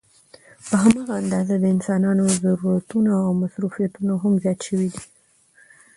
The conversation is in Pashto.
په هماغه اندازه د انسانانو ضرورتونه او مصروفيتونه هم زيات شوي دي